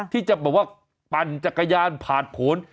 ที่จะแบบว่าปั่นจักรยานผ่านผล